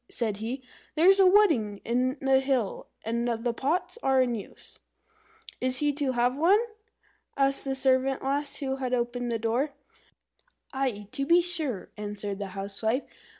said he. "There's a wedding in the hill, and all the pots are in use." "Is he to have one?" asked the servant lass who had opened the door. "Aye, to be sure," answered the Housewife.